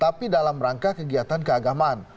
tapi dalam rangka kegiatan keagamaan